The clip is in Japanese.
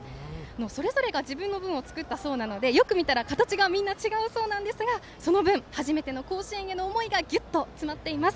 それぞれが自分の分を作ったそうなのでよく見たら形がみんな違うそうですがその分初めての甲子園への思いがぎゅっと詰まっています。